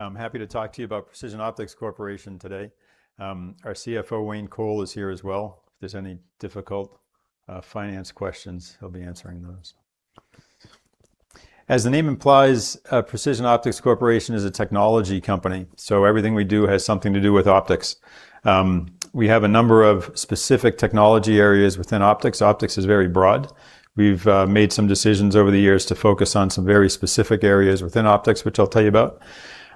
I'm happy to talk to you about Precision Optics Corporation today. Our CFO, Wayne Coll, is here as well. If there's any difficult finance questions, he'll be answering those. As the name implies, Precision Optics Corporation is a technology company, everything we do has something to do with optics. We have a number of specific technology areas within optics. Optics is very broad. We've made some decisions over the years to focus on some very specific areas within optics, which I'll tell you about.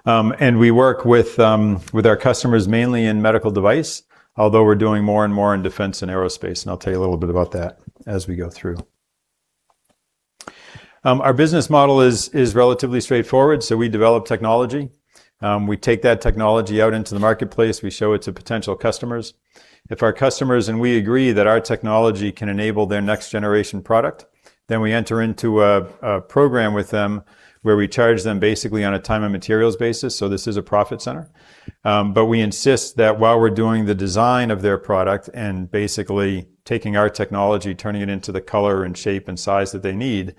We work with our customers mainly in medical device, although we're doing more and more in defense and aerospace, and I'll tell you a little bit about that as we go through. Our business model is relatively straightforward. We develop technology. We take that technology out into the marketplace. We show it to potential customers. If our customers and we agree that our technology can enable their next-generation product, we enter into a program with them where we charge them basically on a time and materials basis. This is a profit center. We insist that while we're doing the design of their product and basically taking our technology, turning it into the color and shape and size that they need,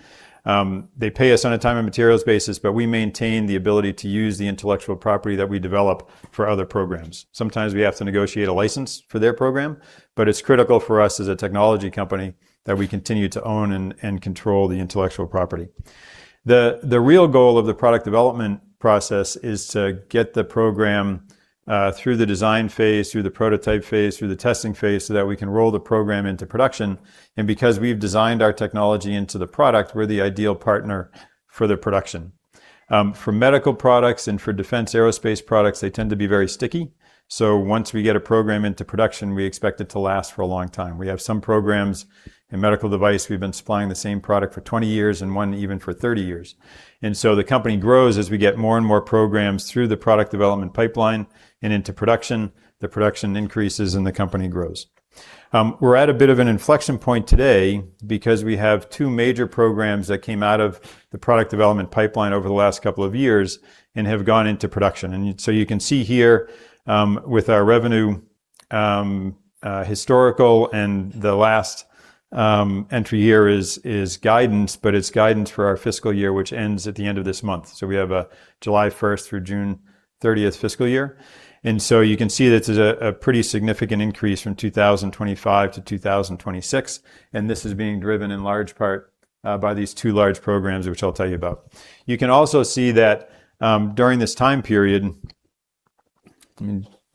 they pay us on a time and materials basis, but we maintain the ability to use the intellectual property that we develop for other programs. Sometimes we have to negotiate a license for their program, but it's critical for us as a technology company that we continue to own and control the intellectual property. The real goal of the product development process is to get the program through the design phase, through the prototype phase, through the testing phase, that we can roll the program into production. Because we've designed our technology into the product, we're the ideal partner for the production. For medical products and for defense aerospace products, they tend to be very sticky. Once we get a program into production, we expect it to last for a long time. We have some programs in medical device, we've been supplying the same product for 20 years, and one even for 30 years. The company grows as we get more and more programs through the product development pipeline and into production. The production increases, and the company grows. We're at a bit of an inflection point today because we have two major programs that came out of the product development pipeline over the last couple of years and have gone into production. You can see here with our revenue, historical and the last entry here is guidance, but it's guidance for our fiscal year, which ends at the end of this month. We have a July 1st through June 30th fiscal year. You can see that this is a pretty significant increase from 2025-2026, and this is being driven in large part by these two large programs, which I'll tell you about. You can also see that during this time period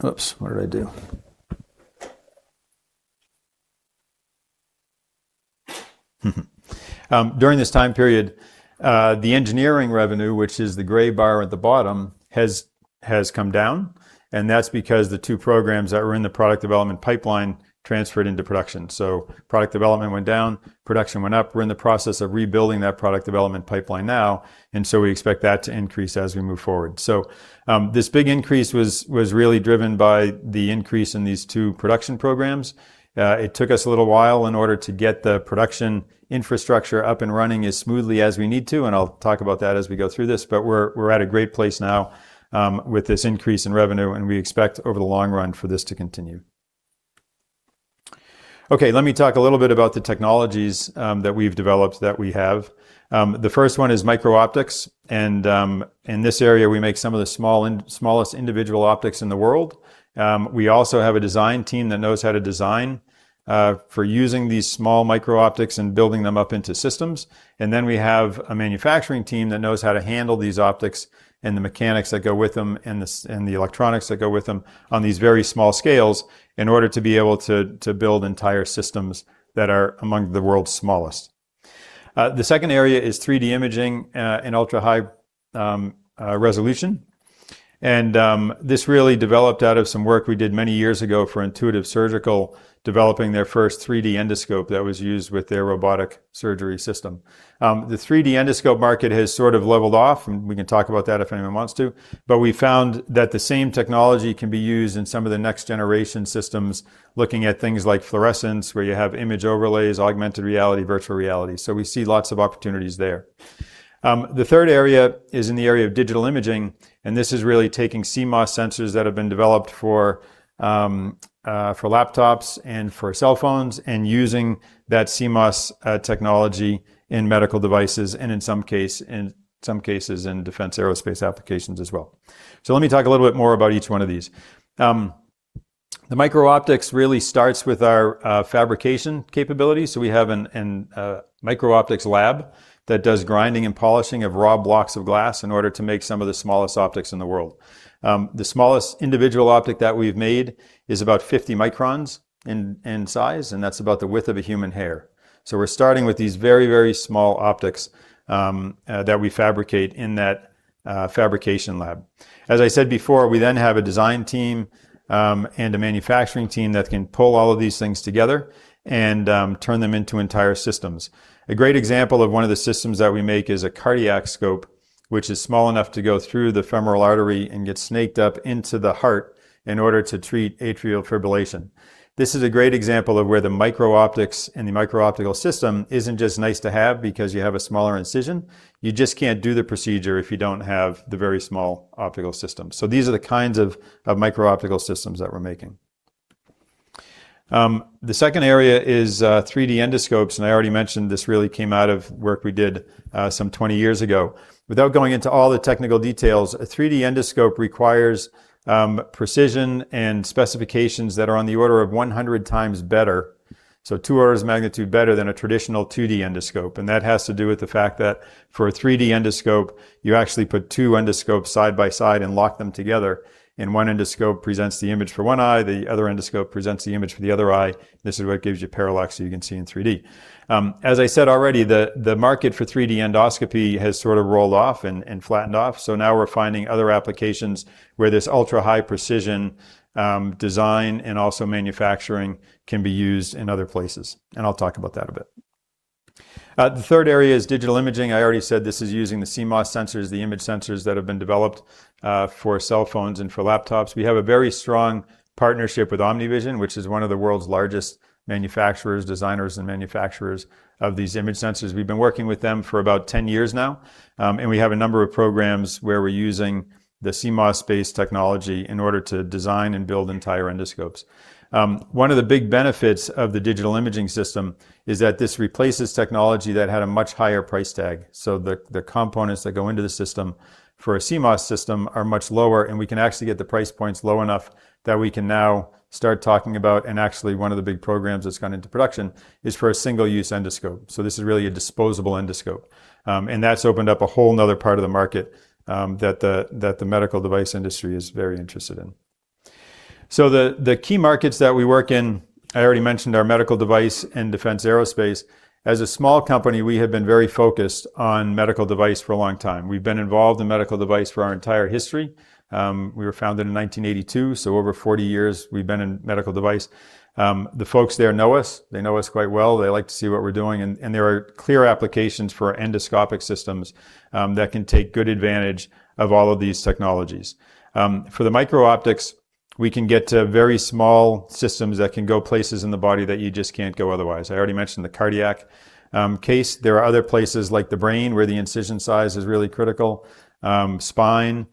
Oops, what did I do? During this time period, the engineering revenue, which is the gray bar at the bottom, has come down, and that's because the two programs that were in the product development pipeline transferred into production. Product development went down, production went up. We're in the process of rebuilding that product development pipeline now. We expect that to increase as we move forward. This big increase was really driven by the increase in these two production programs. It took us a little while in order to get the production infrastructure up and running as smoothly as we need to. I'll talk about that as we go through this, but we're at a great place now with this increase in revenue, and we expect over the long run for this to continue. Let me talk a little bit about the technologies that we've developed that we have. The first one is micro-optics, and in this area we make some of the smallest individual optics in the world. We also have a design team that knows how to design for using these small micro-optics and building them up into systems. We have a manufacturing team that knows how to handle these optics and the mechanics that go with them and the electronics that go with them on these very small scales in order to be able to build entire systems that are among the world's smallest. The second area is 3D imaging and ultra-high resolution. This really developed out of some work we did many years ago for Intuitive Surgical, developing their first 3D endoscope that was used with their robotic surgery system. The 3D endoscope market has sort of leveled off, and we can talk about that if anyone wants to. We found that the same technology can be used in some of the next-generation systems, looking at things like fluorescence, where you have image overlays, augmented reality, virtual reality. We see lots of opportunities there. The third area is in the area of digital imaging, and this is really taking CMOS sensors that have been developed for laptops and for cell phones and using that CMOS technology in medical devices, and in some cases in defense aerospace applications as well. Let me talk a little bit more about each one of these. The micro-optics really starts with our fabrication capability. We have a micro-optics lab that does grinding and polishing of raw blocks of glass in order to make some of the smallest optics in the world. The smallest individual optic that we've made is about 50 microns in size, and that's about the width of a human hair. We're starting with these very, very small optics that we fabricate in that fabrication lab. As I said before, we then have a design team and a manufacturing team that can pull all of these things together and turn them into entire systems. A great example of one of the systems that we make is a cardiac scope, which is small enough to go through the femoral artery and get snaked up into the heart in order to treat atrial fibrillation. This is a great example of where the micro-optics and the micro-optical system isn't just nice to have because you have a smaller incision. You just can't do the procedure if you don't have the very small optical system. These are the kinds of micro-optical systems that we're making. The second area is 3D endoscopes, and I already mentioned this really came out of work we did some 20 years ago. Without going into all the technical details, a 3D endoscope requires precision and specifications that are on the order of 100x better, so two orders of magnitude better than a traditional 2D endoscope. That has to do with the fact that for a 3D endoscope, you actually put two endoscopes side by side and lock them together, and one endoscope presents the image for one eye, the other endoscope presents the image for the other eye. This is what gives you parallax so you can see in 3D. As I said already, the market for 3D endoscopy has sort of rolled off and flattened off. Now we're finding other applications where this ultra-high precision design and also manufacturing can be used in other places, and I'll talk about that a bit. The third area is digital imaging. I already said this is using the CMOS sensors, the image sensors that have been developed for cell phones and for laptops. We have a very strong partnership with OmniVision, which is one of the world's largest manufacturers, designers, and manufacturers of these image sensors. We've been working with them for about 10 years now, and we have a number of programs where we're using the CMOS-based technology in order to design and build entire endoscopes. One of the big benefits of the digital imaging system is that this replaces technology that had a much higher price tag. The components that go into the system for a CMOS system are much lower, and we can actually get the price points low enough that we can now start talking about, and actually one of the big programs that's gone into production, is for a single-use endoscope. This is really a disposable endoscope. That's opened up a whole other part of the market that the medical device industry is very interested in. The key markets that we work in, I already mentioned are medical device and defense aerospace. As a small company, we have been very focused on medical device for a long time. We've been involved in medical device for our entire history. We were founded in 1982, so over 40 years we've been in medical device. The folks there know us. They know us quite well. They like to see what we're doing, and there are clear applications for endoscopic systems that can take good advantage of all of these technologies. For the micro-optics, we can get to very small systems that can go places in the body that you just can't go otherwise. I already mentioned the cardiac case. There are other places like the brain, where the incision size is really critical. Spine.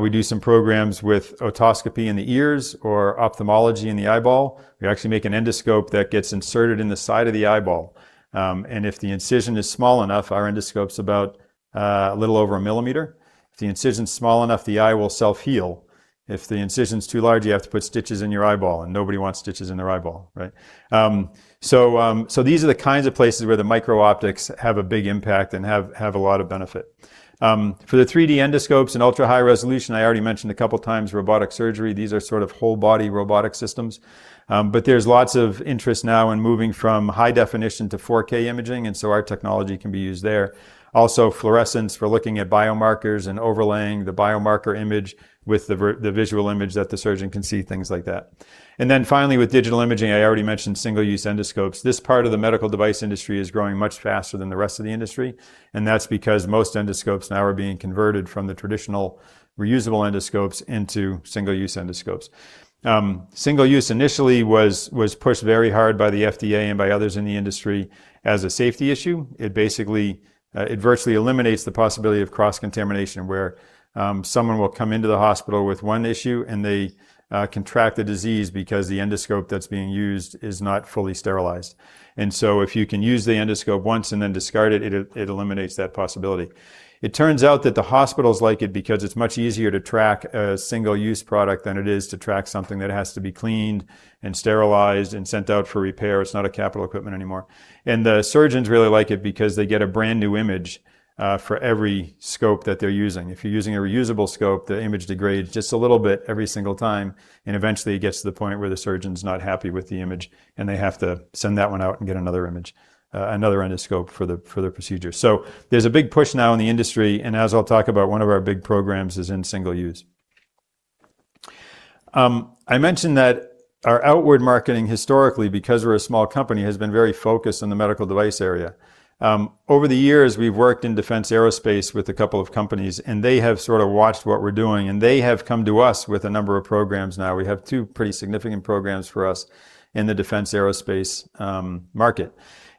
We do some programs with otoscopy in the ears or ophthalmology in the eyeball. We actually make an endoscope that gets inserted in the side of the eyeball, and if the incision is small enough, our endoscope's about a little over a millimeter. If the incision's small enough, the eye will self-heal. If the incision's too large, you have to put stitches in your eyeball, and nobody wants stitches in their eyeball, right? These are the kinds of places where the micro-optics have a big impact and have a lot of benefit. For the 3D endoscopes and ultra-high resolution, I already mentioned a couple times robotic surgery. These are sort of whole-body robotic systems. There's lots of interest now in moving from high definition to 4K imaging, so our technology can be used there. Also, fluorescence for looking at biomarkers and overlaying the biomarker image with the visual image that the surgeon can see, things like that. Finally, with digital imaging, I already mentioned single-use endoscopes. This part of the medical device industry is growing much faster than the rest of the industry, and that's because most endoscopes now are being converted from the traditional reusable endoscopes into single-use endoscopes. Single-use initially was pushed very hard by the FDA and by others in the industry as a safety issue. It virtually eliminates the possibility of cross-contamination where someone will come into the hospital with one issue, and they contract a disease because the endoscope that's being used is not fully sterilized. If you can use the endoscope once and then discard it eliminates that possibility. It turns out that the hospitals like it because it's much easier to track a single-use product than it is to track something that has to be cleaned and sterilized and sent out for repair. It's not a capital equipment anymore. The surgeons really like it because they get a brand-new image for every scope that they're using. If you're using a reusable scope, the image degrades just a little bit every single time, and eventually it gets to the point where the surgeon's not happy with the image, and they have to send that one out and get another endoscope for the procedure. There's a big push now in the industry, and as I'll talk about, one of our big programs is in single-use. I mentioned that our outward marketing historically, because we're a small company, has been very focused on the medical device area. Over the years, we've worked in defense aerospace with a couple of companies, and they have sort of watched what we're doing, and they have come to us with a number of programs now. We have two pretty significant programs for us in the defense aerospace market.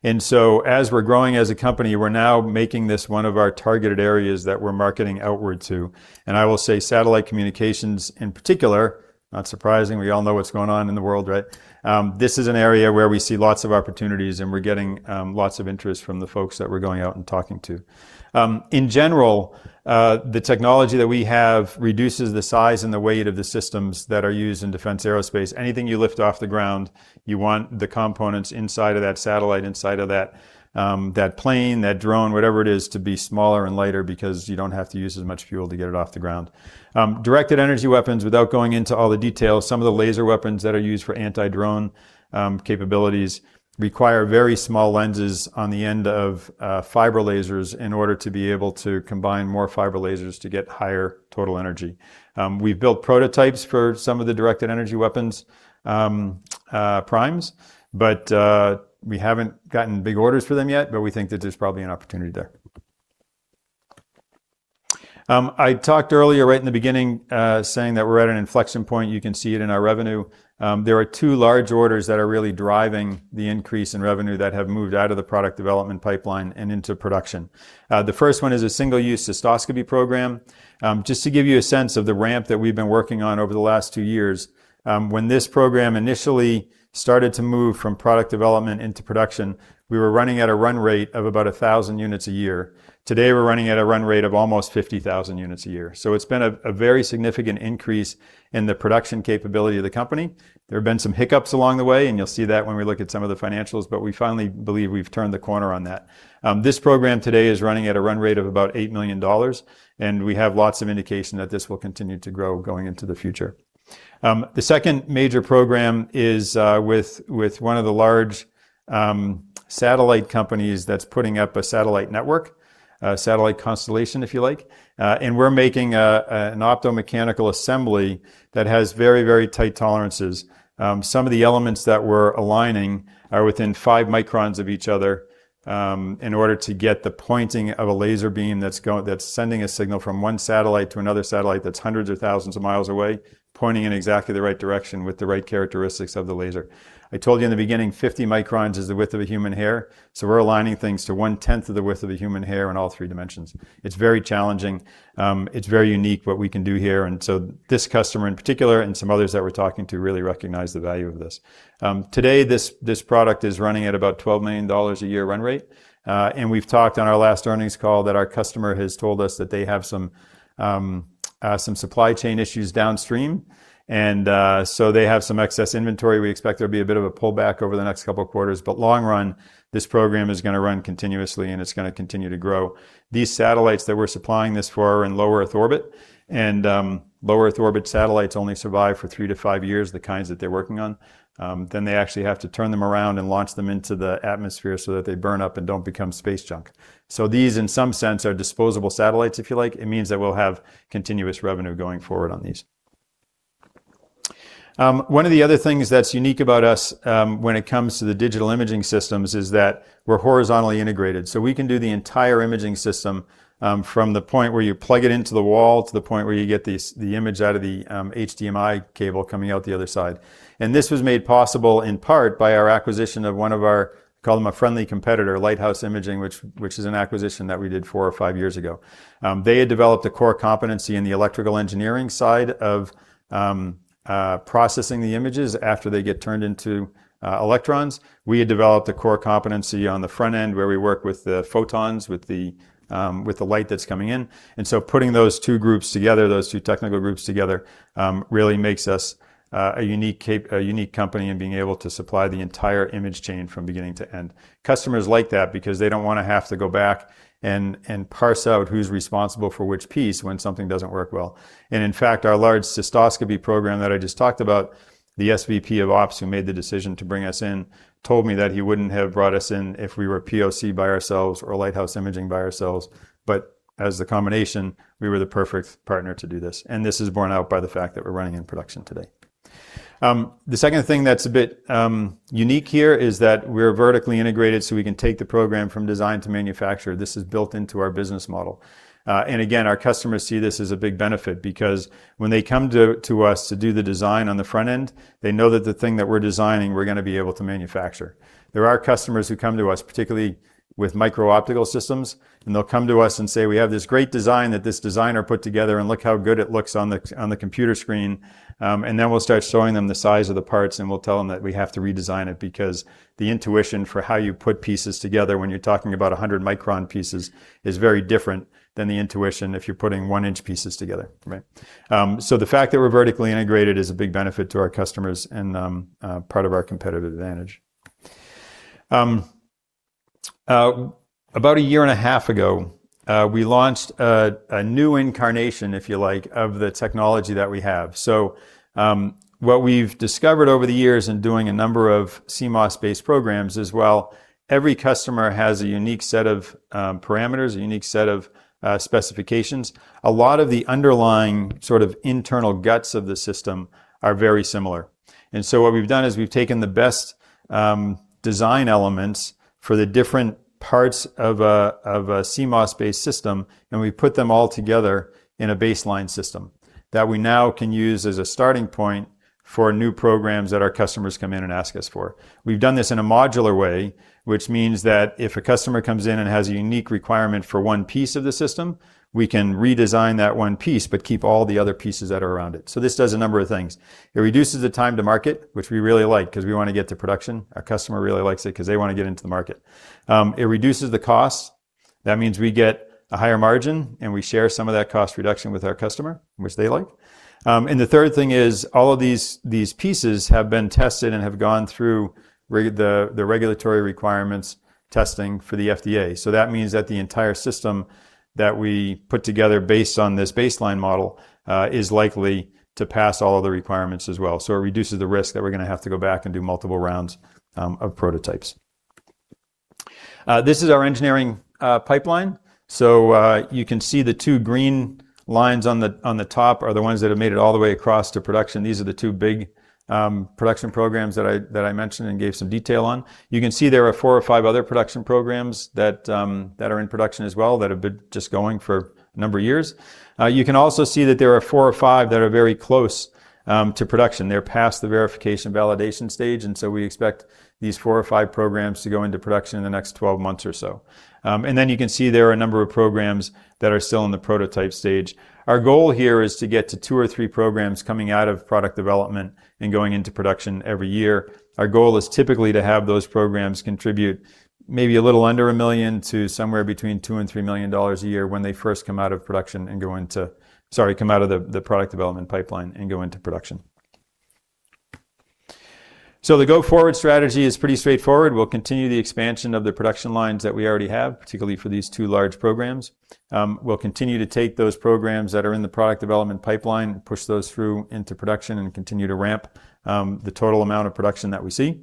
As we're growing as a company, we're now making this one of our targeted areas that we're marketing outward to. I will say satellite communications in particular, not surprising, we all know what's going on in the world, right? This is an area where we see lots of opportunities, and we're getting lots of interest from the folks that we're going out and talking to. In general, the technology that we have reduces the size and the weight of the systems that are used in defense aerospace. Anything you lift off the ground, you want the components inside of that satellite, inside of that plane, that drone, whatever it is, to be smaller and lighter because you don't have to use as much fuel to get it off the ground. Directed energy weapons, without going into all the details, some of the laser weapons that are used for anti-drone capabilities require very small lenses on the end of fiber lasers in order to be able to combine more fiber lasers to get higher total energy. We've built prototypes for some of the directed energy weapons primes. We haven't gotten big orders for them yet. We think that there's probably an opportunity there. I talked earlier right in the beginning, saying that we're at an inflection point. You can see it in our revenue. There are two large orders that are really driving the increase in revenue that have moved out of the product development pipeline and into production. The first one is a single-use cystoscopy program. Just to give you a sense of the ramp that we've been working on over the last two years, when this program initially started to move from product development into production, we were running at a run rate of about 1,000 units a year. Today, we're running at a run rate of almost 50,000 units a year. It's been a very significant increase in the production capability of the company. There have been some hiccups along the way, and you'll see that when we look at some of the financials. We finally believe we've turned the corner on that. This program today is running at a run rate of about $8 million. We have lots of indication that this will continue to grow going into the future. The second major program is with one of the large satellite companies that's putting up a satellite network, a satellite constellation, if you like. We're making an optomechanical assembly that has very tight tolerances. Some of the elements that we're aligning are within five microns of each other in order to get the pointing of a laser beam that's sending a signal from one satellite to another satellite that's hundreds or thousands of miles away, pointing in exactly the right direction with the right characteristics of the laser. I told you in the beginning, 50 microns is the width of a human hair, so we're aligning things to 1/10 of the width of a human hair in all three dimensions. It's very challenging. It's very unique what we can do here. This customer in particular, and some others that we're talking to, really recognize the value of this. Today, this product is running at about $12 million a year run rate. We've talked on our last earnings call that our customer has told us that they have some supply chain issues downstream. They have some excess inventory. We expect there'll be a bit of a pullback over the next couple of quarters. Long run, this program is going to run continuously, and it's going to continue to grow. These satellites that we're supplying this for are in low Earth orbit, and low Earth orbit satellites only survive for three to five years, the kinds that they're working on. They actually have to turn them around and launch them into the atmosphere so that they burn up and don't become space junk. These, in some sense, are disposable satellites, if you like. It means that we'll have continuous revenue going forward on these. One of the other things that's unique about us when it comes to the digital imaging systems is that we're horizontally integrated. We can do the entire imaging system from the point where you plug it into the wall to the point where you get the image out of the HDMI cable coming out the other side. This was made possible in part by our acquisition of one of our, call them a friendly competitor, Lighthouse Imaging, which is an acquisition that we did four or five years ago. They had developed a core competency in the electrical engineering side of processing the images after they get turned into electrons. We had developed a core competency on the front end where we work with the photons, with the light that's coming in. Putting those two groups together, those two technical groups together, really makes us a unique company in being able to supply the entire image chain from beginning to end. Customers like that because they don't want to have to go back and parse out who's responsible for which piece when something doesn't work well. In fact, our large cystoscopy program that I just talked about, the SVP of ops who made the decision to bring us in told me that he wouldn't have brought us in if we were POC by ourselves or Lighthouse Imaging by ourselves. As the combination, we were the perfect partner to do this. This is borne out by the fact that we're running in production today. The second thing that's a bit unique here is that we're vertically integrated, so we can take the program from design to manufacture. This is built into our business model. Again, our customers see this as a big benefit because when they come to us to do the design on the front end, they know that the thing that we're designing, we're going to be able to manufacture. There are customers who come to us, particularly with micro optical systems, and they'll come to us and say, "We have this great design that this designer put together, and look how good it looks on the computer screen." Then we'll start showing them the size of the parts, and we'll tell them that we have to redesign it because the intuition for how you put pieces together when you're talking about 100-micron pieces is very different than the intuition if you're putting one-inch pieces together, right? The fact that we're vertically integrated is a big benefit to our customers and part of our competitive advantage. About a year and a half ago, we launched a new incarnation, if you like, of the technology that we have. What we've discovered over the years in doing a number of CMOS-based programs is while every customer has a unique set of parameters, a unique set of specifications, a lot of the underlying sort of internal guts of the system are very similar. What we've done is we've taken the best design elements for the different parts of a CMOS-based system, and we've put them all together in a baseline system that we now can use as a starting point for new programs that our customers come in and ask us for. We've done this in a modular way, which means that if a customer comes in and has a unique requirement for one piece of the system, we can redesign that one piece but keep all the other pieces that are around it. This does a number of things. It reduces the time to market, which we really like because we want to get to production. Our customer really likes it because they want to get into the market. It reduces the cost. That means we get a higher margin, and we share some of that cost reduction with our customer, which they like. The third thing is all of these pieces have been tested and have gone through the regulatory requirements testing for the FDA. That means that the entire system that we put together based on this baseline model is likely to pass all of the requirements as well. It reduces the risk that we're going to have to go back and do multiple rounds of prototypes. This is our engineering pipeline. You can see the two green lines on the top are the ones that have made it all the way across to production. These are the two big production programs that I mentioned and gave some detail on. You can see there are four or five other production programs that are in production as well that have been just going for a number of years. You can also see that there are four or five that are very close to production. They're past the verification/validation stage, and we expect these four or five programs to go into production in the next 12 months or so. You can see there are a number of programs that are still in the prototype stage. Our goal here is to get to two or three programs coming out of product development and going into production every year. Our goal is typically to have those programs contribute maybe a little under $1 million to somewhere between $2 million and $3 million a year when they first come out of production and come out of the product development pipeline and go into production. The go-forward strategy is pretty straightforward. We'll continue the expansion of the production lines that we already have, particularly for these two large programs. We'll continue to take those programs that are in the product development pipeline, push those through into production, and continue to ramp the total amount of production that we see.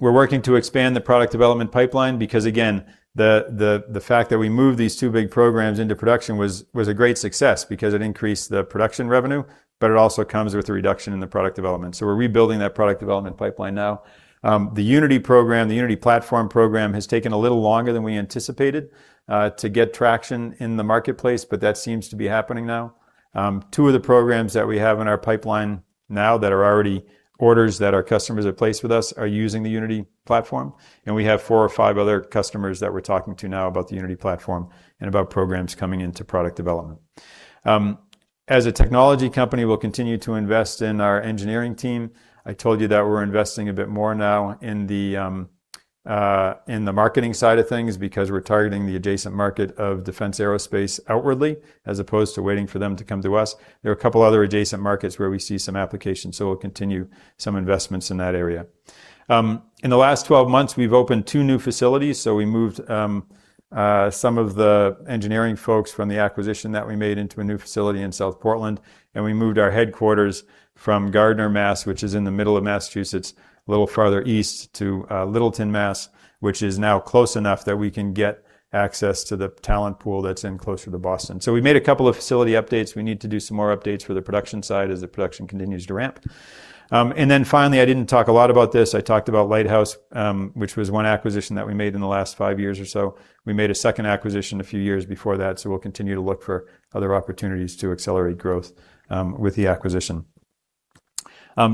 We're working to expand the product development pipeline because, again, the fact that we moved these two big programs into production was a great success because it increased the production revenue, but it also comes with a reduction in the product development. We're rebuilding that product development pipeline now. The Unity program, the Unity platform program, has taken a little longer than we anticipated to get traction in the marketplace, but that seems to be happening now. Two of the programs that we have in our pipeline now that are already orders that our customers have placed with us are using the Unity platform, and we have four or five other customers that we're talking to now about the Unity platform and about programs coming into product development. As a technology company, we'll continue to invest in our engineering team. I told you that we're investing a bit more now in the marketing side of things because we're targeting the adjacent market of defense aerospace outwardly, as opposed to waiting for them to come to us. There are a couple of other adjacent markets where we see some applications. We'll continue some investments in that area. In the last 12 months, we've opened two new facilities. We moved some of the engineering folks from the acquisition that we made into a new facility in South Portland, and we moved our headquarters from Gardner, Mass, which is in the middle of Massachusetts, a little farther east to Littleton, Mass, which is now close enough that we can get access to the talent pool that's in closer to Boston. We need to do some more updates for the production side as the production continues to ramp. Finally, I didn't talk a lot about this. I talked about Lighthouse, which was one acquisition that we made in the last five years or so. We made a second acquisition a few years before that. We'll continue to look for other opportunities to accelerate growth with the acquisition.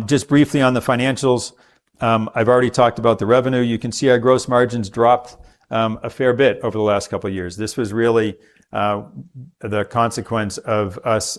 Just briefly on the financials, I've already talked about the revenue. You can see our gross margins dropped a fair bit over the last couple of years. This was really the consequence of us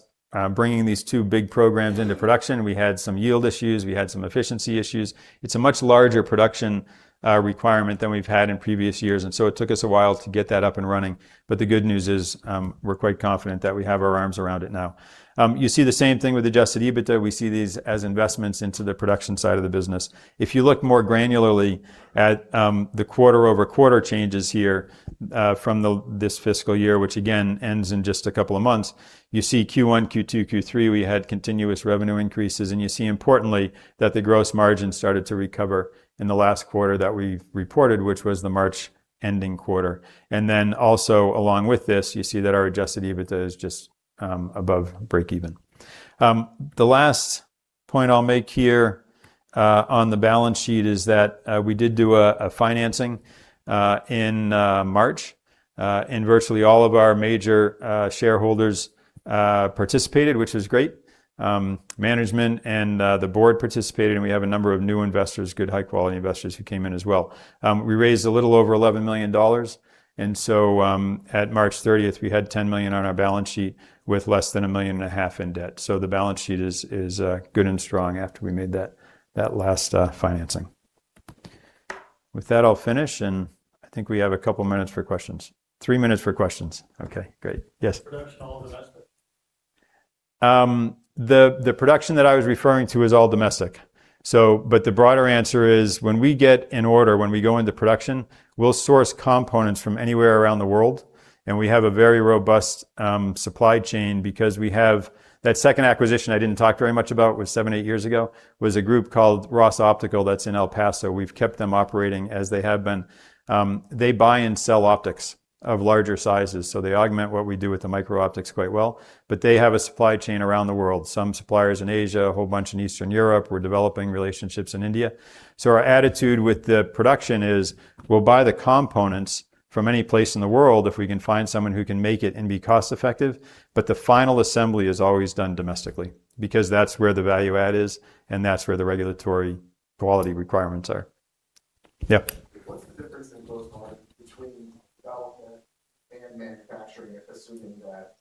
bringing these two big programs into production. We had some yield issues, we had some efficiency issues. It's a much larger production requirement than we've had in previous years. It took us a while to get that up and running. The good news is we're quite confident that we have our arms around it now. You see the same thing with adjusted EBITDA. We see these as investments into the production side of the business. If you look more granularly at the quarter-over-quarter changes here from this fiscal year, which again ends in just a couple of months, you see Q1, Q2, Q3, we had continuous revenue increases. You see, importantly, that the gross margin started to recover in the last quarter that we've reported, which was the March-ending quarter. Also along with this, you see that our adjusted EBITDA is just above breakeven. The last point I'll make here on the balance sheet is that we did do a financing in March. Virtually all of our major shareholders participated, which was great. Management and the board participated. We have a number of new investors, good, high-quality investors who came in as well. We raised a little over $11 million. At March 30th, we had $10 million on our balance sheet with less than a $1.5 million in debt. The balance sheet is good and strong after we made that last financing. With that, I'll finish, and I think we have a couple of minutes for questions. Three minutes for questions. Okay, great. Yes? Production all domestic? The production that I was referring to is all domestic. The broader answer is when we get an order, when we go into production, we'll source components from anywhere around the world, and we have a very robust supply chain because we have. That second acquisition I didn't talk very much about was seven, eight years ago, was a group called Ross Optical that's in El Paso. We've kept them operating as they have been. They buy and sell optics of larger sizes, so they augment what we do with the micro-optics quite well. They have a supply chain around the world. Some suppliers in Asia, a whole bunch in Eastern Europe. We're developing relationships in India. Our attitude with the production is we'll buy the components from any place in the world if we can find someone who can make it and be cost-effective. The final assembly is always done domestically because that's where the value add is, and that's where the regulatory quality requirements are. Yep. What's the difference in gross margin between development and manufacturing, assuming that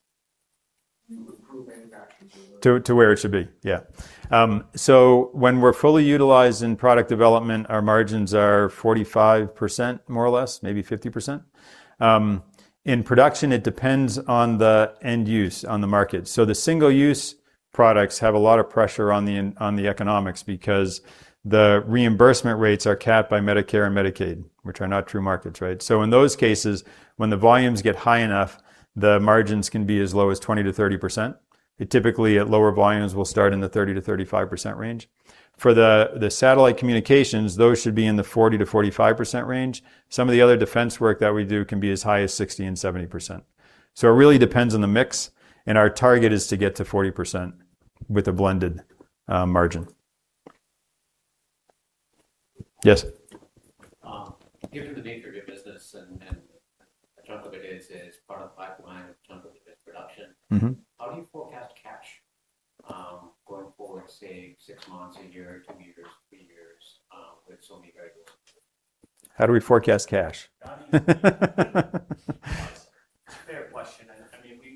you improve manufacturing to? To where it should be? Yeah. When we're fully utilized in product development, our margins are 45%, more or less, maybe 50%. In production, it depends on the end use on the market. The single-use products have a lot of pressure on the economics because the reimbursement rates are capped by Medicare and Medicaid, which are not true markets, right? In those cases, when the volumes get high enough, the margins can be as low as 20%-30%. It typically at lower volumes will start in the 30%-35% range. For the satellite communications, those should be in the 40%-45% range. Some of the other defense work that we do can be as high as 60% and 70%. It really depends on the mix, and our target is to get to 40% with a blended margin. Yes. Given the nature of your business, a chunk of it is part of the pipeline, a chunk of it is production. How do you forecast cash going forward, say, six months, a year, two years, three years, with so many variables? How do we forecast cash? It's a fair question.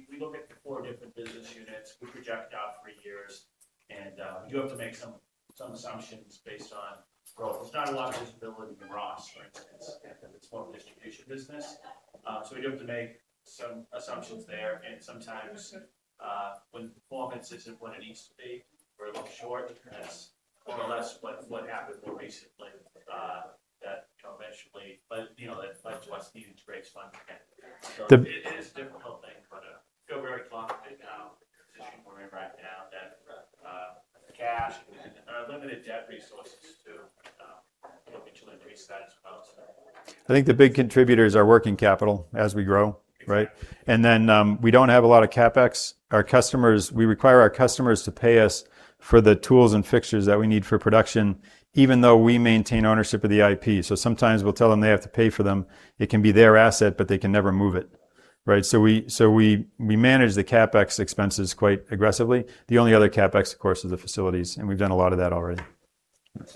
We look at the four different business units. We project out three years. We do have to make some assumptions based on growth. There's not a lot of visibility in Ross, for instance, the small distribution business. We do have to make some assumptions there. Sometimes when performance isn't what it needs to be, we're a little short. That's more or less what happened more recently, that eventually, that led to us needing to raise funding. It is a difficult thing. I feel very confident now, the position we're in right now, that cash and our limited debt resources to potentially increase that as well. I think the big contributors are working capital as we grow, right? Exactly. We don't have a lot of CapEx. We require our customers to pay us for the tools and fixtures that we need for production, even though we maintain ownership of the IP. Sometimes we'll tell them they have to pay for them. It can be their asset. They can never move it. Right? We manage the CapEx expenses quite aggressively. The only other CapEx, of course, is the facilities. We've done a lot of that already.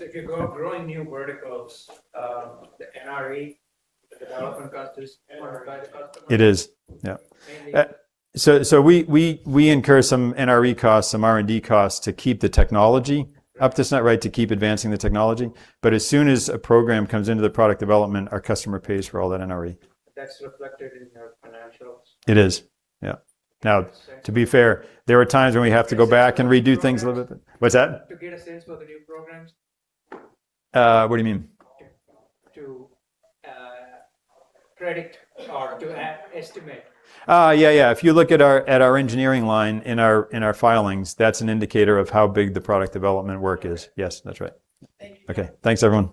If you're growing new verticals, the NRE, the development cost is covered by the customer? It is, yeah. We incur some NRE costs, some R&D costs to keep the technology up to snuff, right, to keep advancing the technology. As soon as a program comes into the product development, our customer pays for all that NRE. That's reflected in your financials? It is, yeah. To be fair, there are times when we have to go back and redo things a little bit. What's that? To get a sense for the new programs. What do you mean? To predict or to estimate. Yeah. If you look at our engineering line in our filings, that's an indicator of how big the product development work is. Yes, that's right. Thank you. Okay. Thanks, everyone.